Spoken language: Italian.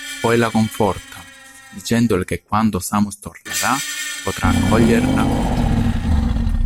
Poi la conforta dicendole che quando Samus tornerà, potrà accoglierla con gioia.